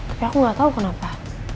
tapi aku gak tau kenapa